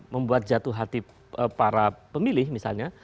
membuat jatuh hati para pemilih misalnya